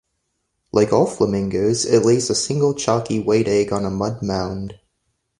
Like all flamingos it lays a single chalky white egg on a mud mound.